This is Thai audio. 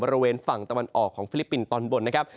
บริเวณฝั่งตะวันออกของฟิลิปปินส์ตอนบนนะครับ